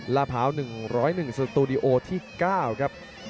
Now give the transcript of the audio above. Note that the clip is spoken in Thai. ละเผา๑๐๑สตูดิโอที่๙ครับ